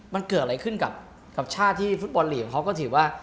มันเกิดอะไรขึ้นกับชาติที่ฟุตบอลลีกเขาก็ถือว่า